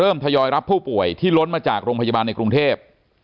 ทยอยรับผู้ป่วยที่ล้นมาจากโรงพยาบาลในกรุงเทพ